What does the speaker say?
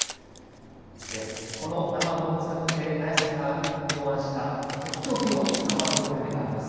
この生ハムを使って、那谷さんが考案した取って置きの生ハムグルメがあります。